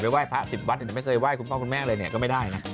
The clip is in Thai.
ไห้พระ๑๐วัดไม่เคยไห้คุณพ่อคุณแม่เลยเนี่ยก็ไม่ได้นะ